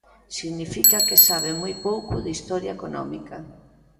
Significa que sabe moi pouco de historia económica.